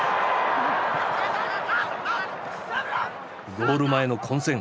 ゴール前の混戦